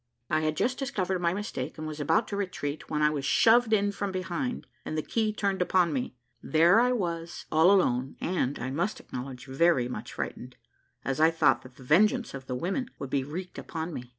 I had just discovered my mistake, and was about to retreat, when I was shoved in from behind, and the key turned upon me; there I was, all alone, and, I must acknowledge, very much frightened, as I thought that the vengeance of the women would be wreaked upon me.